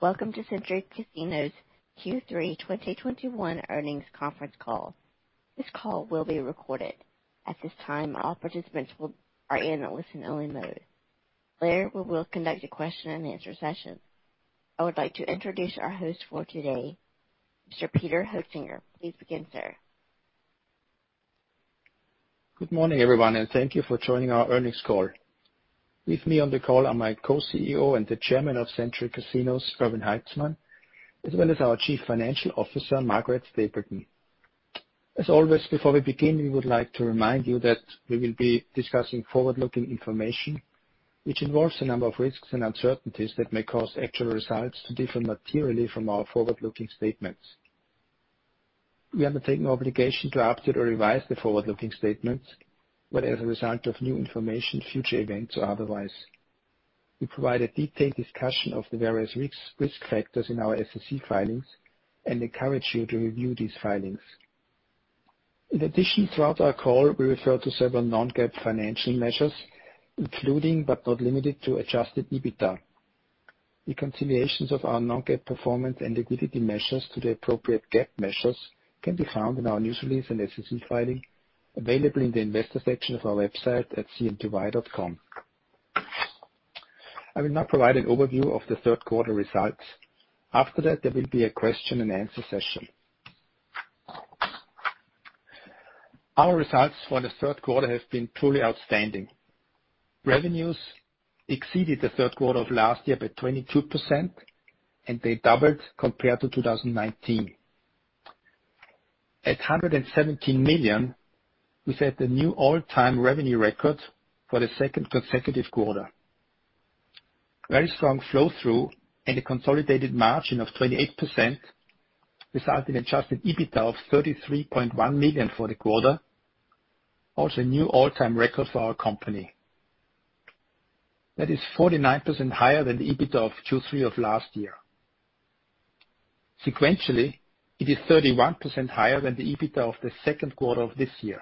Welcome to Century Casinos Q3 2021 earnings conference call. This call will be recorded. At this time, all participants are in a listen-only mode. Later, we will conduct a question-and-answer session. I would like to introduce our host for today, Mr. Peter Hoetzinger. Please begin, sir. Good morning, everyone, and thank you for joining our earnings call. With me on the call are my Co-CEO and the Chairman of Century Casinos, Erwin Haitzmann, as well as our Chief Financial Officer, Margaret Stapleton. As always, before we begin, we would like to remind you that we will be discussing forward-looking information, which involves a number of risks and uncertainties that may cause actual results to differ materially from our forward-looking statements. We undertake no obligation to update or revise the forward-looking statements, whether as a result of new information, future events, or otherwise. We provide a detailed discussion of the various risks, risk factors in our SEC filings and encourage you to review these filings. In addition, throughout our call, we refer to several non-GAAP financial measures, including, but not limited to, adjusted EBITDA. Reconciliations of our non-GAAP performance and liquidity measures to the appropriate GAAP measures can be found in our news release and SEC filing, available in the investor section of our website at cnty.com. I will now provide an overview of the third quarter results. After that, there will be a question-and-answer session. Our results for the third quarter have been truly outstanding. Revenues exceeded the third quarter of last year by 22%, and they doubled compared to 2019. At $117 million, we set the new all-time revenue record for the second consecutive quarter. Very strong flow-through and a consolidated margin of 28%, resulting in adjusted EBITDA of $33.1 million for the quarter, also a new all-time record for our company. That is 49% higher than the EBITDA of Q3 of last year. Sequentially, it is 31% higher than the EBITDA of the second quarter of this year.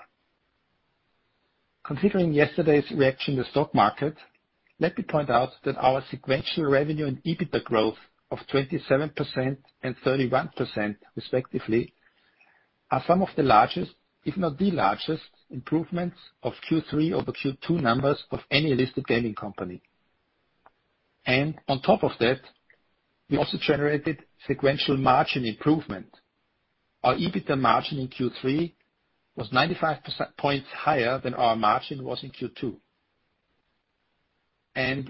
Considering yesterday's reaction in the stock market, let me point out that our sequential revenue and EBITDA growth of 27% and 31% respectively, are some of the largest, if not the largest, improvements of Q3 over Q2 numbers of any listed gaming company. On top of that, we also generated sequential margin improvement. Our EBITDA margin in Q3 was 95 percentage points higher than our margin was in Q2.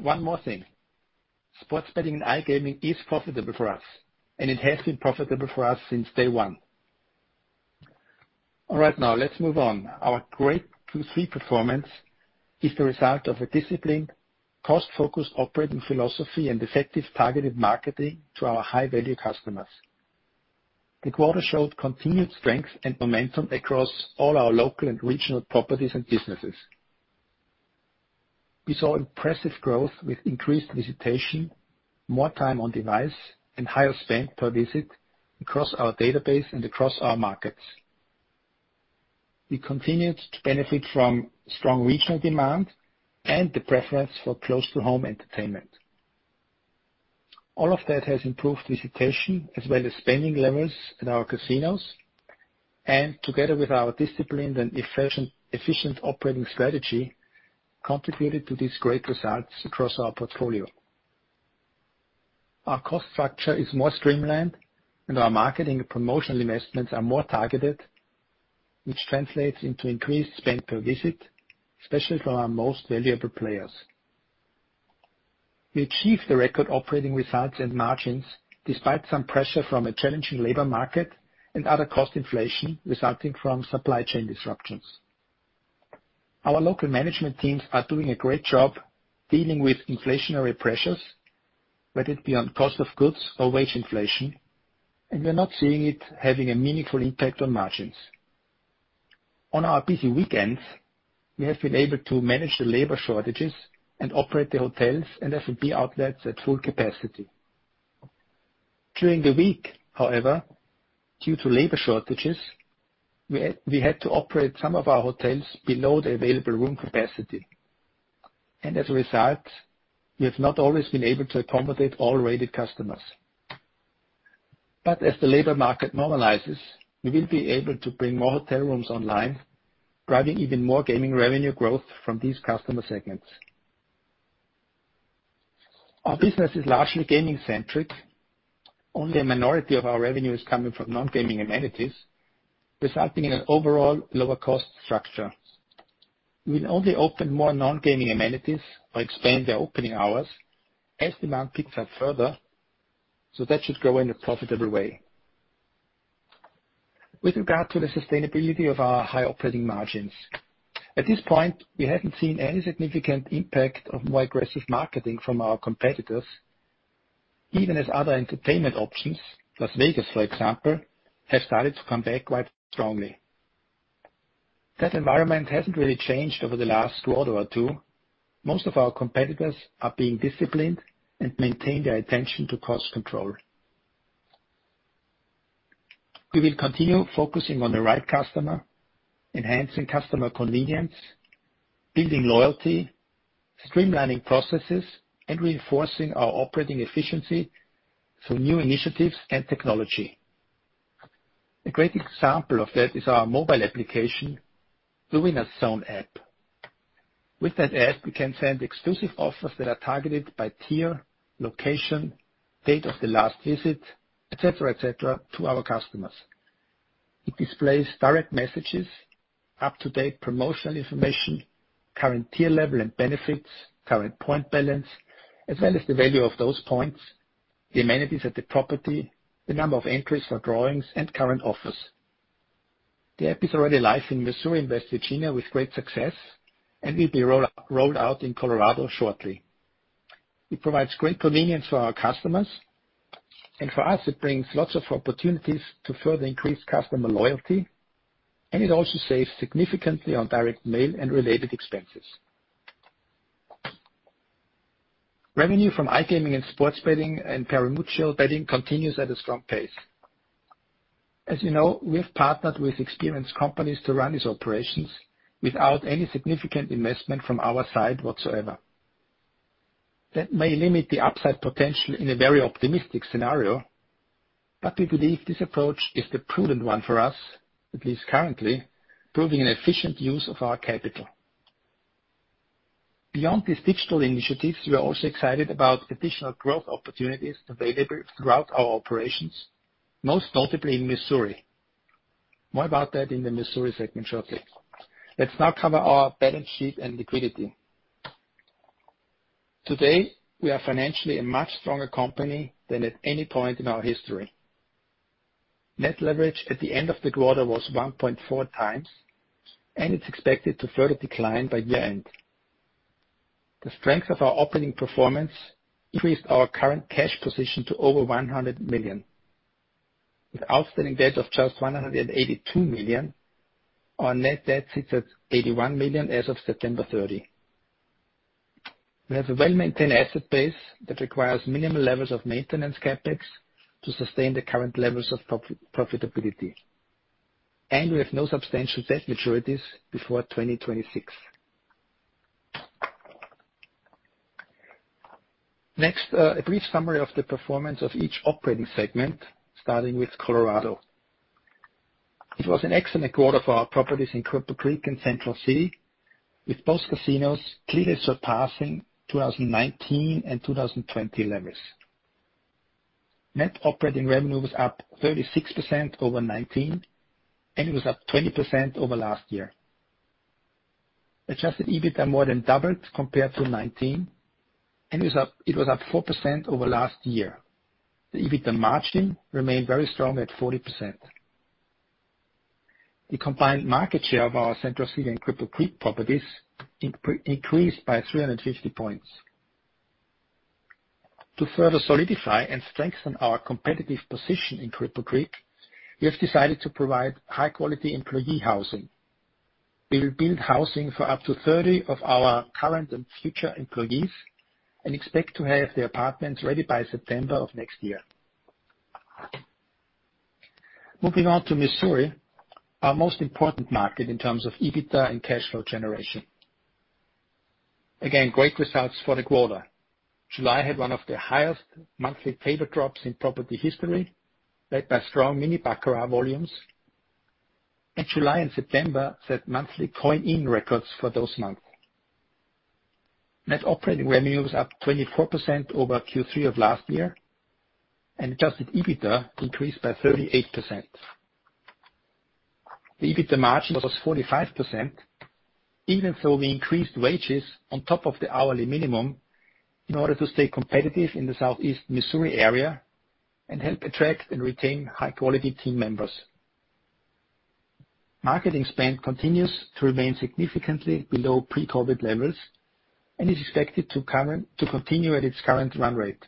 One more thing, sports betting and iGaming is profitable for us, and it has been profitable for us since day one. All right, now let's move on. Our great Q3 performance is the result of a disciplined, cost-focused operating philosophy and effective targeted marketing to our high-value customers. The quarter showed continued strength and momentum across all our local and regional properties and businesses. We saw impressive growth with increased visitation, more time on device, and higher spend per visit across our database and across our markets. We continued to benefit from strong regional demand and the preference for close-to-home entertainment. All of that has improved visitation as well as spending levels in our casinos, and together with our disciplined and efficient operating strategy, contributed to these great results across our portfolio. Our cost structure is more streamlined and our marketing and promotional investments are more targeted, which translates into increased spend per visit, especially from our most valuable players. We achieved the record operating results and margins despite some pressure from a challenging labor market and other cost inflation resulting from supply chain disruptions. Our local management teams are doing a great job dealing with inflationary pressures, whether it be on cost of goods or wage inflation, and we're not seeing it having a meaningful impact on margins. On our busy weekends, we have been able to manage the labor shortages and operate the hotels and F&B outlets at full capacity. During the week, however, due to labor shortages, we had to operate some of our hotels below the available room capacity. As a result, we have not always been able to accommodate all rated customers. As the labor market normalizes, we will be able to bring more hotel rooms online, driving even more gaming revenue growth from these customer segments. Our business is largely gaming-centric. Only a minority of our revenue is coming from non-gaming amenities, resulting in an overall lower cost structure. We will only open more non-gaming amenities or expand their opening hours as demand picks up further, so that should grow in a profitable way. With regard to the sustainability of our high operating margins, at this point, we haven't seen any significant impact of more aggressive marketing from our competitors, even as other entertainment options, Las Vegas, for example, have started to come back quite strongly. That environment hasn't really changed over the last quarter or two. Most of our competitors are being disciplined and maintain their attention to cost control. We will continue focusing on the right customer, enhancing customer convenience, building loyalty, streamlining processes, and reinforcing our operating efficiency through new initiatives and technology. A great example of that is our mobile application, the Winners' Zone app. With that app, we can send exclusive offers that are targeted by tier, location, date of the last visit, et cetera, et cetera, to our customers. It displays direct messages, up-to-date promotional information, current tier level and benefits, current point balance, as well as the value of those points, the amenities at the property, the number of entries for drawings, and current offers. The app is already live in Missouri and West Virginia with great success, and will be rolled out in Colorado shortly. It provides great convenience for our customers, and for us, it brings lots of opportunities to further increase customer loyalty, and it also saves significantly on direct mail and related expenses. Revenue from iGaming and sports betting and pari-mutuel betting continues at a strong pace. As you know, we have partnered with experienced companies to run these operations without any significant investment from our side whatsoever. That may limit the upside potential in a very optimistic scenario, but we believe this approach is the prudent one for us, at least currently, proving an efficient use of our capital. Beyond these digital initiatives, we are also excited about additional growth opportunities available throughout our operations, most notably in Missouri. More about that in the Missouri segment shortly. Let's now cover our balance sheet and liquidity. Today, we are financially a much stronger company than at any point in our history. Net leverage at the end of the quarter was 1.4x, and it's expected to further decline by year-end. The strength of our operating performance increased our current cash position to over $100 million. With outstanding debt of just $182 million, our net debt sits at $81 million as of September 30. We have a well-maintained asset base that requires minimal levels of maintenance CapEx to sustain the current levels of profitability, and we have no substantial debt maturities before 2026. Next, a brief summary of the performance of each operating segment, starting with Colorado. It was an excellent quarter for our properties in Cripple Creek and Central City, with both casinos clearly surpassing 2019 and 2020 levels. Net operating revenue was up 36% over 2019, and it was up 20% over last year. Adjusted EBITDA more than doubled compared to 2019, and was up 4% over last year. The EBITDA margin remained very strong at 40%. The combined market share of our Central City and Cripple Creek properties increased by 350 points. To further solidify and strengthen our competitive position in Cripple Creek, we have decided to provide high-quality employee housing. We will build housing for up to 30 of our current and future employees and expect to have the apartments ready by September of next year. Moving on to Missouri, our most important market in terms of EBITDA and cash flow generation. Again, great results for the quarter. July had one of the highest monthly table drops in property history, led by strong mini baccarat volumes. July and September set monthly coin-in records for those months. Net operating revenue was up 24% over Q3 of last year, and adjusted EBITDA increased by 38%. The EBITDA margin was 45%, even though we increased wages on top of the hourly minimum in order to stay competitive in the Southeast Missouri area and help attract and retain high-quality team members. Marketing spend continues to remain significantly below pre-COVID levels and is expected to continue at its current run rate.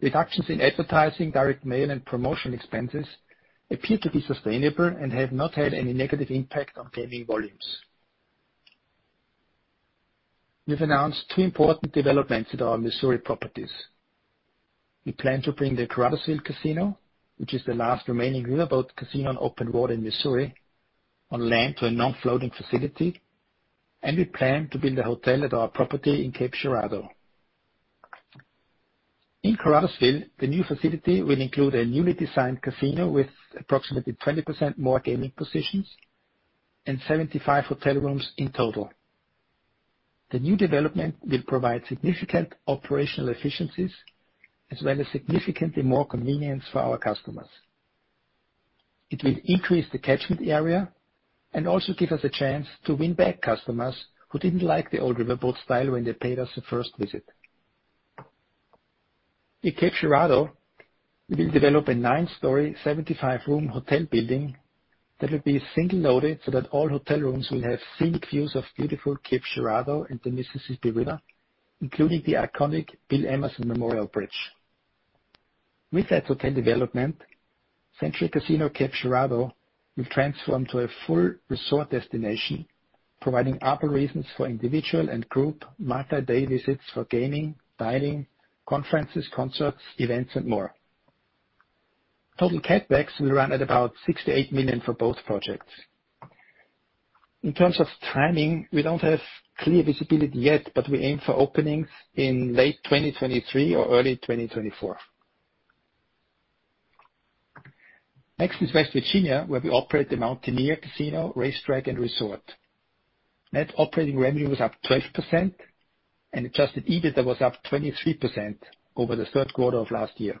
Reductions in advertising, direct mail, and promotion expenses appear to be sustainable and have not had any negative impact on gaming volumes. We have announced two important developments at our Missouri properties. We plan to bring the Caruthersville casino, which is the last remaining riverboat casino on open water in Missouri, on land to a non-floating facility, and we plan to build a hotel at our property in Cape Girardeau. In Caruthersville, the new facility will include a newly designed casino with approximately 20% more gaming positions and 75 hotel rooms in total. The new development will provide significant operational efficiencies as well as significantly more convenience for our customers. It will increase the catchment area and also give us a chance to win back customers who didn't like the old riverboat style when they paid us a first visit. In Cape Girardeau, we will develop a 9-story 75-room hotel building that will be single-loaded so that all hotel rooms will have scenic views of beautiful Cape Girardeau and the Mississippi River, including the iconic Bill Emerson Memorial Bridge. With that hotel development, Century Casino Cape Girardeau will transform to a full resort destination, providing ample reasons for individual and group multi-day visits for gaming, dining, conferences, concerts, events, and more. Total CapEx will run at about $68 million for both projects. In terms of timing, we don't have clear visibility yet, but we aim for openings in late 2023 or early 2024. Next is West Virginia, where we operate the Mountaineer Casino, Racetrack and Resort. Net operating revenue was up 12%, and adjusted EBITDA was up 23% over the third quarter of last year.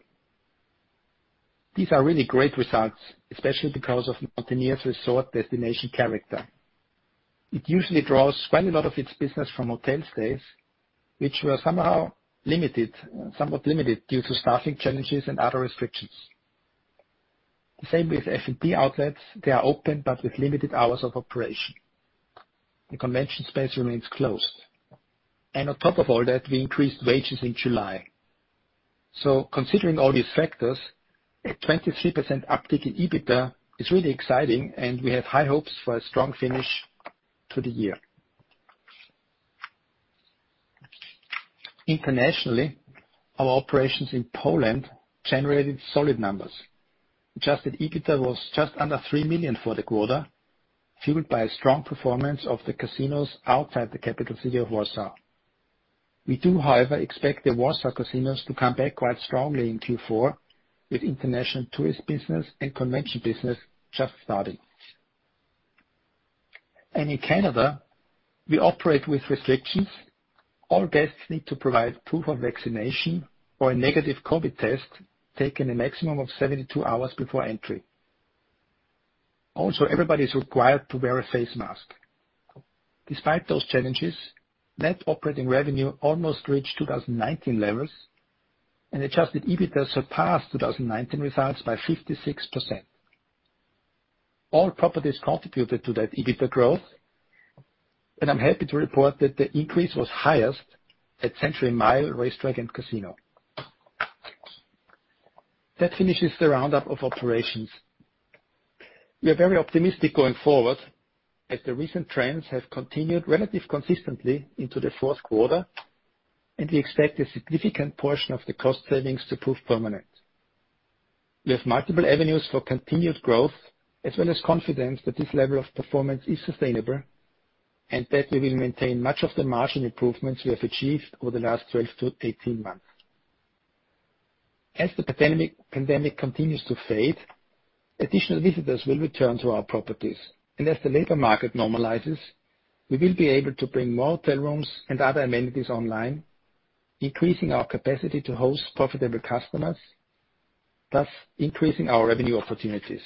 These are really great results, especially because of Mountaineer's resort destination character. It usually draws quite a lot of its business from hotel stays, which were somewhat limited due to staffing challenges and other restrictions. The same with F&B outlets. They are open, but with limited hours of operation. The convention space remains closed. On top of all that, we increased wages in July. Considering all these factors, a 23% uptick in EBITDA is really exciting, and we have high hopes for a strong finish to the year. Internationally, our operations in Poland generated solid numbers. Adjusted EBITDA was just under $3 million for the quarter, fueled by a strong performance of the casinos outside the capital city of Warsaw. We do, however, expect the Warsaw casinos to come back quite strongly in Q4 with international tourist business and convention business just starting. In Canada, we operate with restrictions. All guests need to provide proof of vaccination or a negative COVID test taken a maximum of 72 hours before entry. Also, everybody is required to wear a face mask. Despite those challenges, net operating revenue almost reached 2019 levels, and adjusted EBITDA surpassed 2019 results by 56%. All properties contributed to that EBITDA growth, and I'm happy to report that the increase was highest at Century Mile Racetrack and Casino. That finishes the roundup of operations. We are very optimistic going forward as the recent trends have continued relatively consistently into the fourth quarter, and we expect a significant portion of the cost savings to prove permanent. We have multiple avenues for continued growth, as well as confidence that this level of performance is sustainable and that we will maintain much of the margin improvements we have achieved over the last 12-18 months. As the pandemic continues to fade, additional visitors will return to our properties. As the labor market normalizes, we will be able to bring more hotel rooms and other amenities online, increasing our capacity to host profitable customers, thus increasing our revenue opportunities.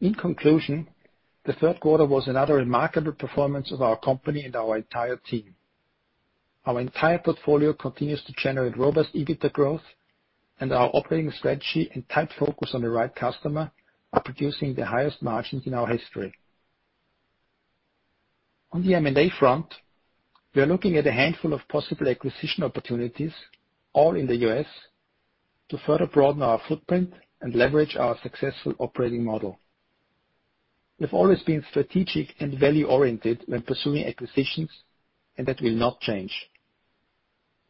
In conclusion, the third quarter was another remarkable performance of our company and our entire team. Our entire portfolio continues to generate robust EBITDA growth, and our operating strategy and tight focus on the right customer are producing the highest margins in our history. On the M&A front, we are looking at a handful of possible acquisition opportunities, all in the U.S., to further broaden our footprint and leverage our successful operating model. We've always been strategic and value-oriented when pursuing acquisitions, and that will not change.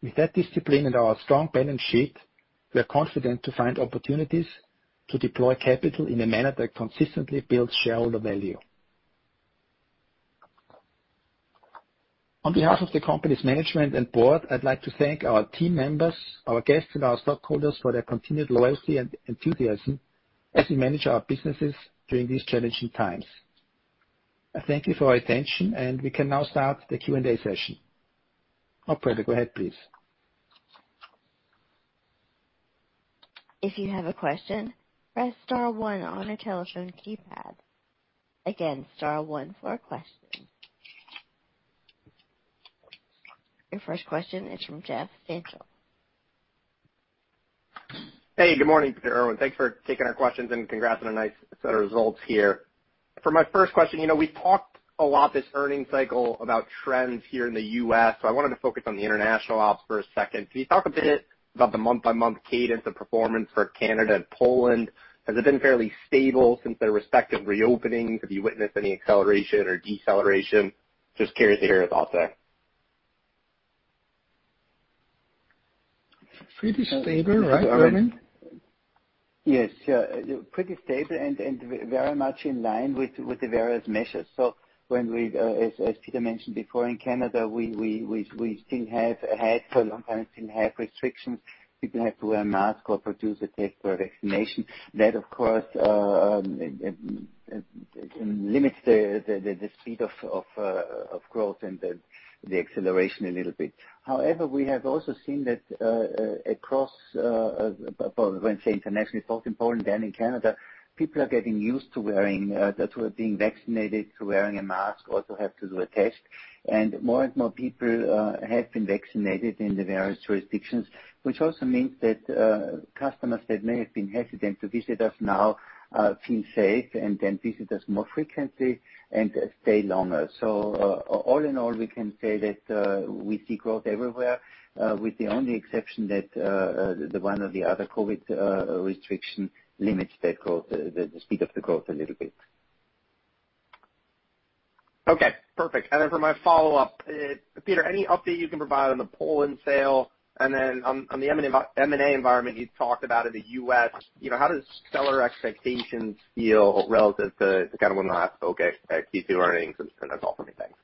With that discipline and our strong balance sheet, we are confident to find opportunities to deploy capital in a manner that consistently builds shareholder value. On behalf of the company's management and board, I'd like to thank our team members, our guests, and our stockholders for their continued loyalty and enthusiasm as we manage our businesses during these challenging times. I thank you for your attention, and we can now start the Q&A session. Operator, go ahead, please. If you have a question, press star one on your telephone keypad. Again, star one for a question. Your first question is from Jeff Stantial. Hey, good morning, Peter, Erwin. Thanks for taking our questions, and congrats on a nice set of results here. For my first question, you know, we talked a lot this earnings cycle about trends here in the U.S., so I wanted to focus on the international ops for a second. Can you talk a bit about the month-by-month cadence of performance for Canada and Poland? Has it been fairly stable since their respective reopenings? Have you witnessed any acceleration or deceleration? Just curious to hear your thoughts there. Pretty stable, right, Erwin? Yes. Yeah, pretty stable and very much in line with the various measures. As Peter mentioned before, in Canada, we still have had for a long time, still have restrictions. People have to wear a mask or produce a test or vaccination. That, of course, limits the speed of growth and the acceleration a little bit. However, we have also seen that across, when, say, internationally, both in Poland and in Canada, people are getting used to wearing, to being vaccinated, to wearing a mask, also have to do a test. More and more people have been vaccinated in the various jurisdictions, which also means that customers that may have been hesitant to visit us now feel safe and then visit us more frequently and stay longer. All in all, we can say that we see growth everywhere with the only exception that the one or the other COVID restriction limits that growth, the speed of the growth a little bit. Okay, perfect. For my follow-up, Peter, any update you can provide on the Poland sale, and then on the M&A environment you talked about in the U.S., you know, how does seller expectations feel relative to kind of when the last earnings and then talk to me. Thanks.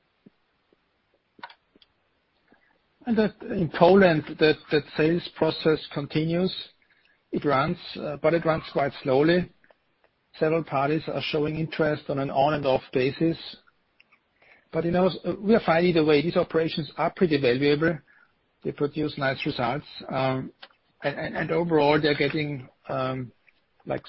That in Poland, the sales process continues. It runs, but it runs quite slowly. Several parties are showing interest on an on-and-off basis. But, you know, we are finding that these operations are pretty valuable. They produce nice results. Overall they're getting like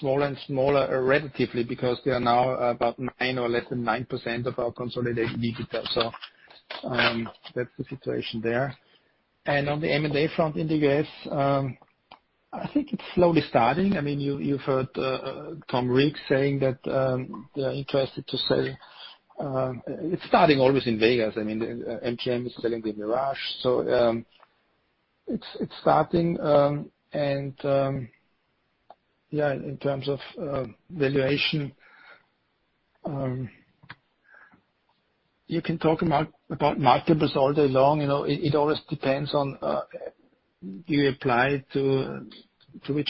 smaller and smaller relatively because they are now about 9% or less than 9% of our consolidated EBITDA. That's the situation there. On the M&A front in the U.S., I think it's slowly starting. I mean, you've heard Tom Reeg saying that they are interested to sell. It's starting always in Vegas. I mean, MGM is selling The Mirage, so it's starting. In terms of valuation, you can talk about multiples all day long. You know, it always depends on which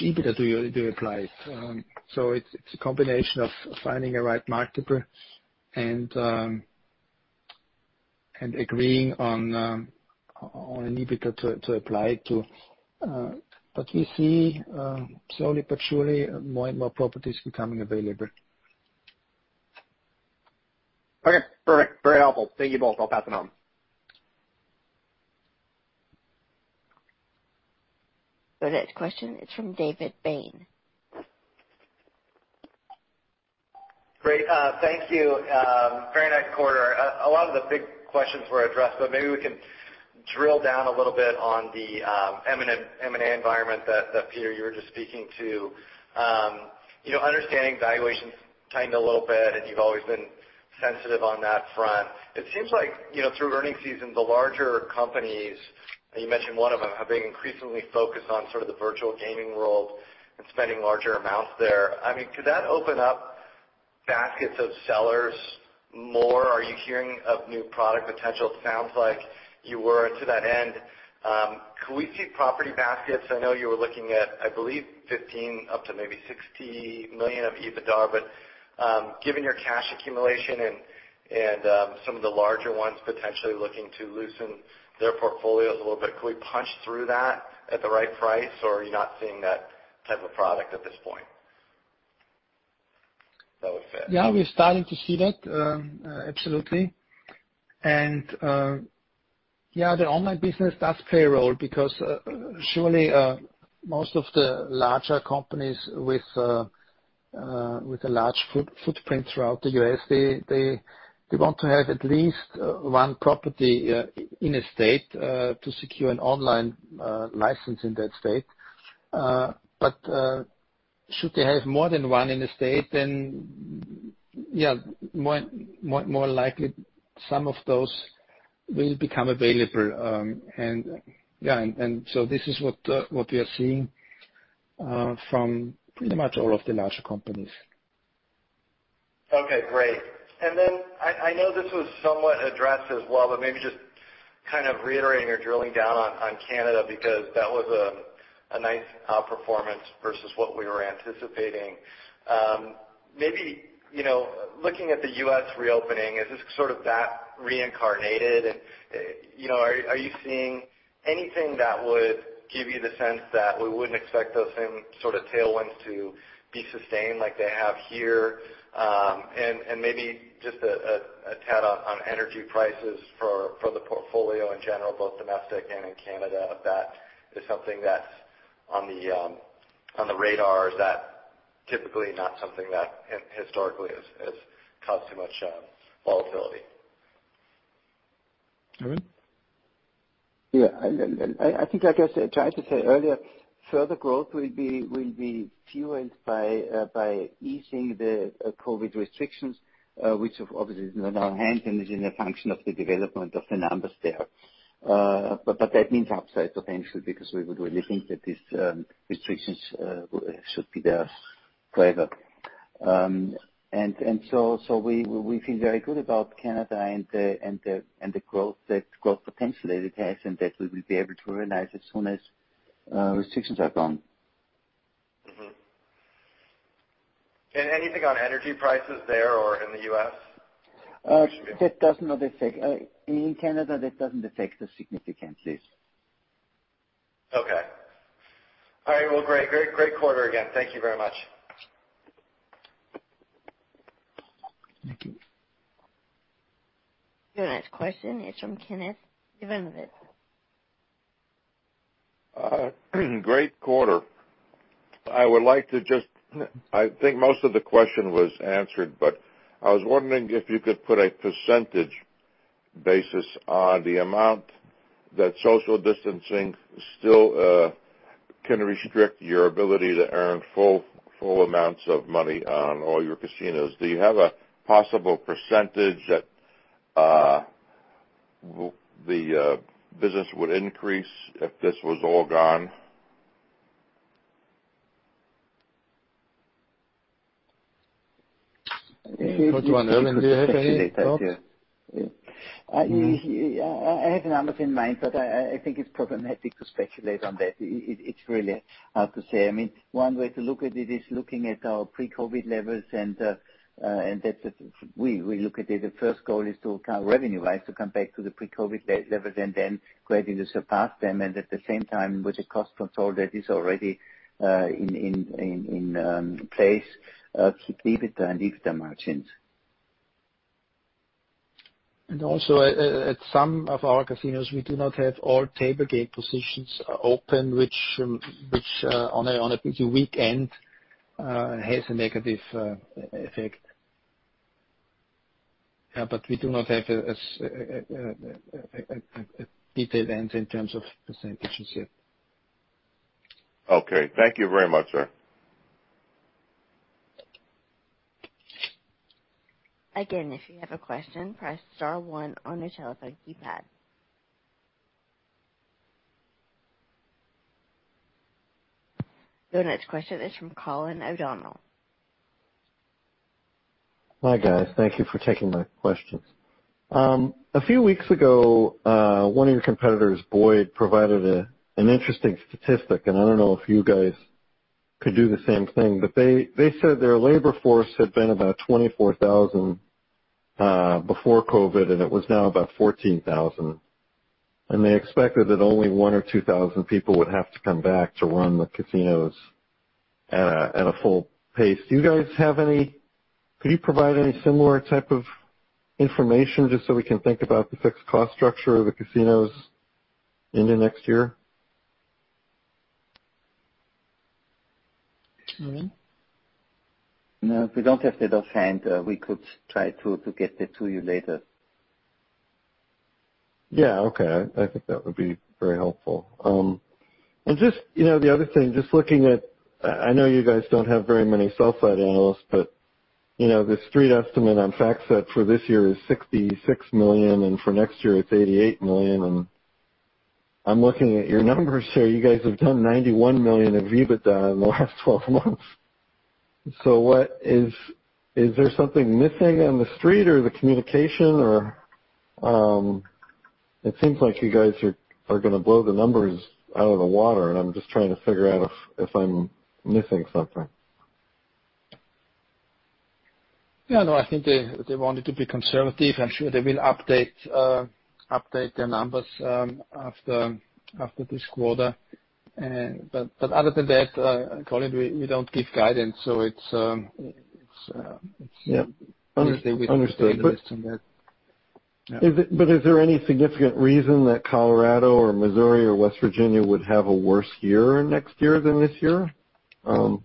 EBITDA you apply to. It's a combination of finding the right multiple and agreeing on an EBITDA to apply to. We see slowly but surely, more and more properties becoming available. Okay, perfect. Very helpful. Thank you both. I'll pass it on. The next question is from David Bain. Great. Thank you. Very nice quarter. A lot of the big questions were addressed, but maybe we can drill down a little bit on the M&A environment that Peter, you were just speaking to. You know, understanding valuations tightened a little bit, and you've always been sensitive on that front. It seems like, you know, through earnings season, the larger companies, and you mentioned one of them, have been increasingly focused on sort of the virtual gaming world and spending larger amounts there. I mean, could that open up baskets of sellers more? Are you hearing of new product potential? It sounds like you were to that end. Could we see property baskets? I know you were looking at, I believe, $15 million up to maybe $60 million of EBITDA, but, given your cash accumulation and some of the larger ones potentially looking to loosen their portfolios a little bit, could we punch through that at the right price, or are you not seeing that type of product at this point? That would be it. Yeah, we're starting to see that, absolutely. Yeah, the online business does play a role because surely most of the larger companies with a large footprint throughout the U.S. want to have at least one property in a state to secure an online license in that state. Should they have more than one in a state, then yeah, more likely some of those will become available. Yeah, this is what we are seeing from pretty much all of the larger companies. Okay, great. I know this was somewhat addressed as well, but maybe just kind of reiterating or drilling down on Canada because that was a nice outperformance versus what we were anticipating. Maybe, you know, looking at the U.S. reopening, is this sort of that reincarnated? You know, are you seeing anything that would give you the sense that we wouldn't expect those same sort of tailwinds to be sustained like they have here? And maybe just a tad on energy prices for the portfolio in general, both domestic and in Canada. If that is something that's on the radar, is that typically not something that historically has caused too much volatility? Erwin? Yeah. I think, like I said, I tried to say earlier, further growth will be fueled by easing the COVID restrictions, which obviously is in our hands and is a function of the development of the numbers there. That means upside potentially, because we would really think that these restrictions should be there forever. We feel very good about Canada and the growth potential that it has and that we will be able to realize as soon as restrictions are gone. Mm-hmm. Anything on energy prices there or in the U.S.? In Canada, that doesn't affect us significantly. Okay. All right. Well, great quarter again. Thank you very much. Thank you. The next question is from Kenneth Evanovic. Great quarter. I think most of the question was answered, but I was wondering if you could put a percentage basis on the amount that social distancing still can restrict your ability to earn full amounts of money on all your casinos. Do you have a possible percentage that the business would increase if this was all gone? What's one, Erwin? Do you have any thoughts? Yeah. I have numbers in mind, but I think it's problematic to speculate on that. It's really hard to say. I mean, one way to look at it is looking at our pre-COVID levels and we look at it. The first goal is, kind of, revenue-wise, to come back to the pre-COVID levels and then gradually surpass them, and at the same time, with the cost control that is already in place to keep EBITDA and EBITDA margins. Also at some of our casinos, we do not have all table game positions open, which on a peak weekend has a negative effect. Yeah, but we do not have a detailed answer in terms of percentages yet. Okay, thank you very much, sir. Again, if you have a question, press star one on your telephone keypad. The next question is from Colin O'Donnell. Hi, guys. Thank you for taking my questions. A few weeks ago, one of your competitors, Boyd, provided an interesting statistic, and I don't know if you guys could do the same thing, but they said their labor force had been about 24,000 before COVID, and it was now about 14,000. They expected that only 1,000 or 2,000 people would have to come back to run the casinos at a full pace. Could you provide any similar type of information just so we can think about the fixed cost structure of the casinos into next year? Erwin? No, we don't have that offhand. We could try to get that to you later. Yeah. Okay. I think that would be very helpful. Just, you know, the other thing, just looking at, I know you guys don't have very many sell-side analysts, but, you know, the Street estimate on FactSet for this year is $66 million, and for next year it's $88 million. I'm looking at your numbers here. You guys have done $91 million of EBITDA in the last 12 months. What is there something missing on the Street or the communication or. It seems like you guys are gonna blow the numbers out of the water, and I'm just trying to figure out if I'm missing something. Yeah. No, I think they wanted to be conservative. I'm sure they will update their numbers after this quarter. Other than that, Colin, we don't give guidance, so it's Yeah. Understood. Obviously, we don't provide guidance on that. Is there any significant reason that Colorado or Missouri or West Virginia would have a worse year next year than this year? No.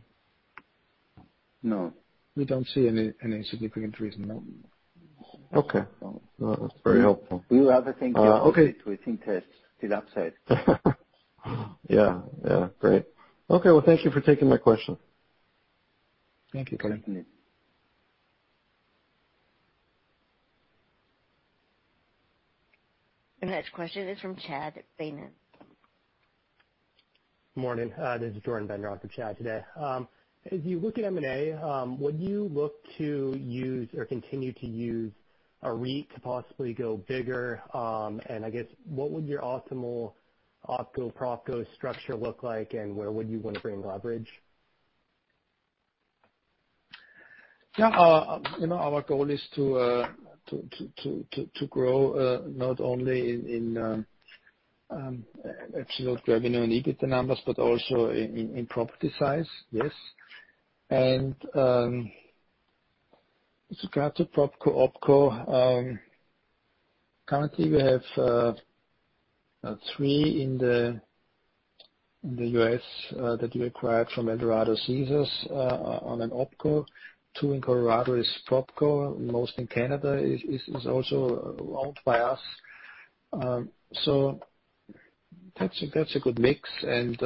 We don't see any significant reason, no. Okay. Well, that's very helpful. The other thing. Okay. We think there's still upside. Yeah. Yeah. Great. Okay, well, thank you for taking my question. Thank you, Colin. Thank you. The next question is from Chad Beynon. Morning. This is Jordan Bender for Chad today. As you look at M&A, would you look to use or continue to use a REIT to possibly go bigger? I guess what would your optimal opco-propco structure look like, and where would you wanna bring leverage? Yeah. You know, our goal is to grow not only in absolute revenue and EBITDA numbers, but also in property size. Yes. With regard to PropCo OpCo, currently we have three in the U.S. that we acquired from Eldorado/Caesars on an OpCo. Two in Colorado is PropCo. Most in Canada is also owned by us. So that's a good mix, and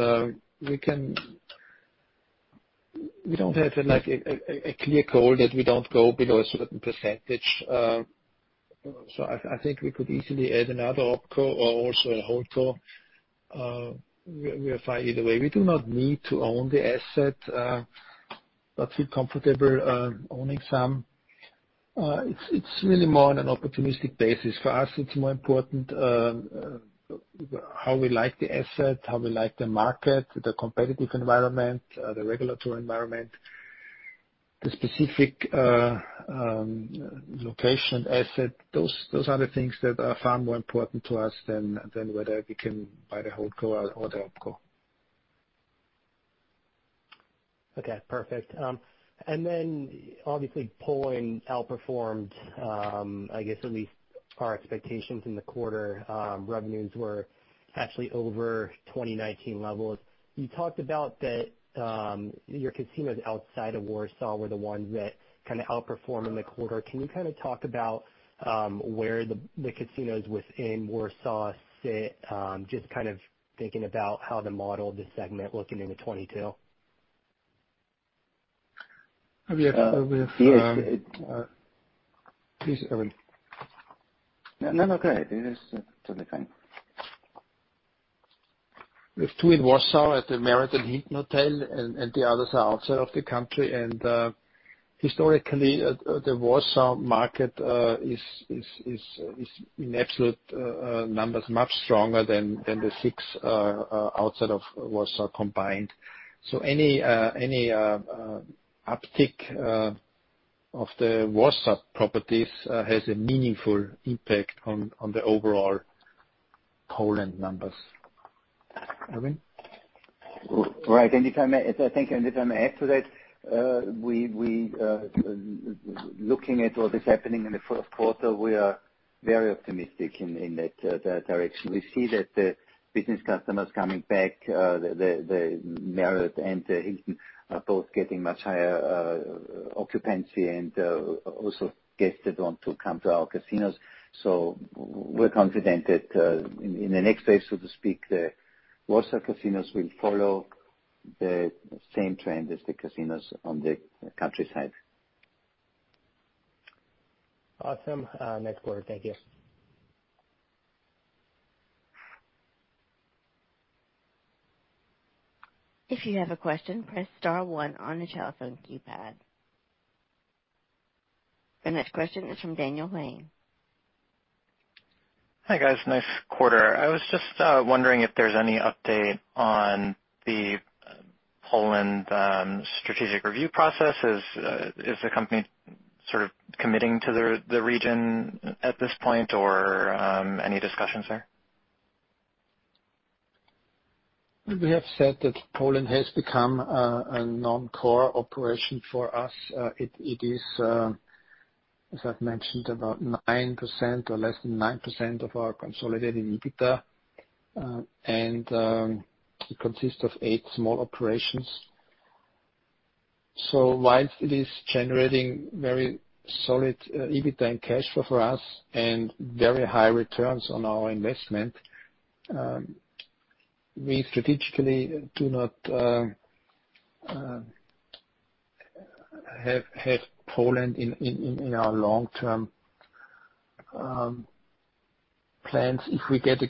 we don't have like a clear goal that we don't go below a certain percentage. So I think we could easily add another OpCo or also a holdco. We are fine either way. We do not need to own the asset, but feel comfortable owning some. It's really more on an opportunistic basis. For us, it's more important how we like the asset, how we like the market, the competitive environment, the regulatory environment, the specific location asset. Those are the things that are far more important to us than whether we can buy the holdco or the opco. Okay. Perfect. Obviously Poland outperformed, I guess at least our expectations in the quarter. Revenues were actually over 2019 levels. You talked about that, your casinos outside of Warsaw were the ones that kinda outperformed in the quarter. Can you kinda talk about where the casinos within Warsaw sit? Just kind of thinking about how to model this segment looking into 2022. With, with, um- Yes. Please, Erwin. No, no. Go ahead. It is totally fine. We have two in Warsaw at the Marriott and Hilton Hotel, and the others are outside of the country. Historically, the Warsaw market is in absolute numbers much stronger than the six outside of Warsaw combined. Any uptick of the Warsaw properties has a meaningful impact on the overall Poland numbers. Erwin? Right. If I may add to that, we're looking at what is happening in the first quarter. We are very optimistic in that direction. We see that the business customers are coming back, the Marriott and the Hilton are both getting much higher occupancy and also guests that want to come to our casinos. We're confident that in the next phase, so to speak, the Warsaw casinos will follow the same trend as the casinos on the countryside. Awesome. Next quarter. Thank you. The next question is from Daniel Wayne. Hi, guys. Nice quarter. I was just wondering if there's any update on the Poland strategic review process. Is the company sort of committing to the region at this point or any discussions there? We have said that Poland has become a non-core operation for us. It is, as I've mentioned, about 9% or less than 9% of our consolidated EBITDA. It consists of eight small operations. While it is generating very solid EBITDA and cash flow for us and very high returns on our investment, we strategically do not have Poland in our long-term plans if we get a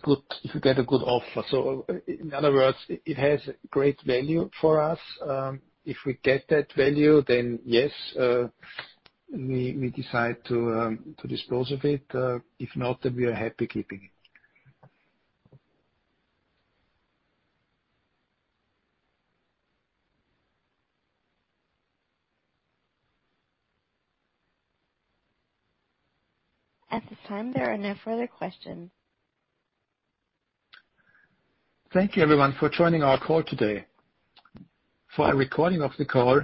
good offer. In other words, it has great value for us. If we get that value, yes, we decide to dispose of it. If not, we are happy keeping it. At this time, there are no further questions. Thank you, everyone, for joining our call today. For a recording of the call,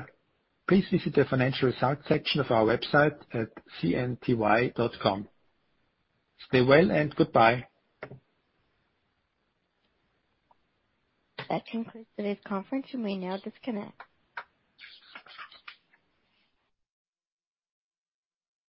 please visit the financial results section of our website at cnty.com. Stay well and goodbye. That concludes today's conference. You may now disconnect.